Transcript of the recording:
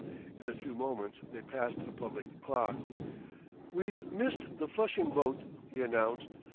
In a few moments they passed a public clock. "We've missed the Flushing boat," he announced.